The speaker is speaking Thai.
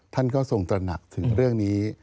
ท่านก็ทรงตระหนักถึงเรื่องนี้